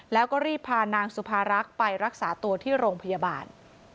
แล้วก็รีบพานางสุภารักษ์ไปรักษาตัวที่โรงพยาบาล